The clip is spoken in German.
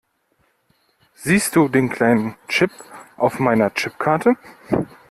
Siehst du den kleinen Chip auf meiner Chipkarte?